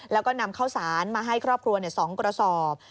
แล้วก็นำข้าวสารมาให้ครอบครัว๒กระสอบ